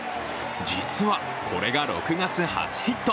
実は、これが６月初ヒット。